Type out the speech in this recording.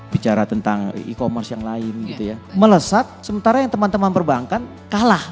bicara tentang e commerce yang lain gitu ya melesat sementara yang teman teman perbankan kalah